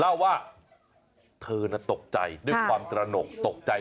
เล่าว่าเธอน่ะตกใจด้วยความตระหนกตกใจ